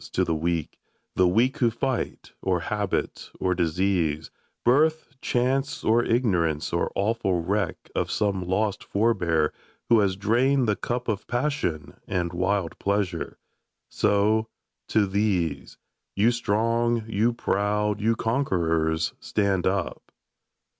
To the Weak! The Weak who fight : or habit or disease, Birth, chance, or ignorance — or awful wreak Of some lost forbear, who has drained the cup Of pagsion and wild pleasure ! So ! To these. You strong, you proud, you conquerors — stand up!